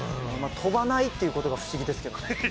まあ飛ばないっていう事が不思議ですけどね。